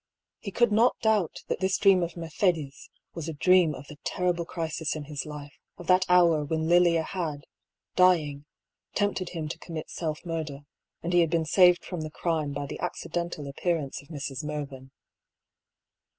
He could not doubt that this dream of Mercedes' was a dream of the terrible crisis in his life; of that hour when Lilia had, dying, tempted him to commit self HER DREAM. 235 murder, and he had been saved from the crime by the accidental appearance of Mrs. Mervyn.